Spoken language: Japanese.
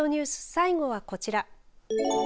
最後はこちら。